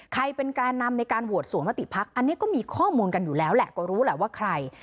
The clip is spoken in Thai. แกเป็นแกนนำในการโหวตสวมมติพักอันนี้ก็มีข้อมูลกันอยู่แล้วแหละก็รู้แหละว่าใคร